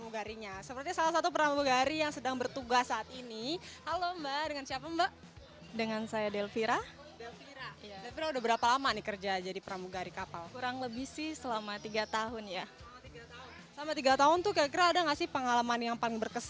gimana sih mbak